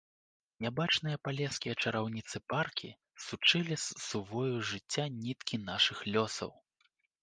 Нябачныя палескія чараўніцы-паркі сучылі з сувою жыцця ніткі нашых лёсаў.